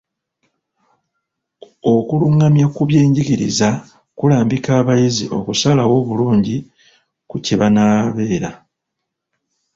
Okulungamya ku by'enjigiriza kulambika abayizi okusalawo obulungi ku kye banaabeera.